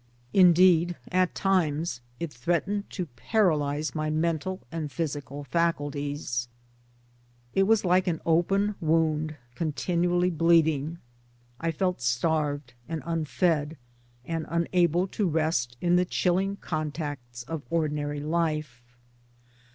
Indeed at times it threatened to paralyse my mental and physical faculties. It was like an open wound con tinually bleeding. I felt starved and unfed, and unable to rest in the chilling contacts of ordinary life.